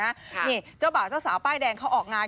นี่เจ้าบ่าวเจ้าสาวป้ายแดงเขาออกงาน